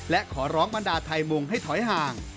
และขอร้องบรรดาไทยมุงให้ถอยห่าง